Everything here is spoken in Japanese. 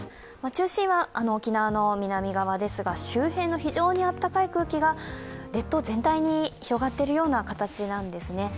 中心は沖縄の南側ですが、周辺の非常に暖かい空気が列島全体に広がっているような形なんですね。